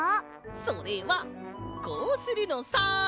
それはこうするのさ！